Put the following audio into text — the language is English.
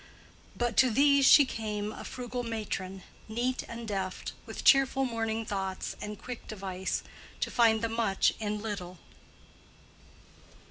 But to these She came a frugal matron, neat and deft, With cheerful morning thoughts and quick device To find the much in little.